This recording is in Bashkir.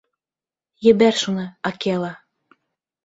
Ебәр шуны, Акела.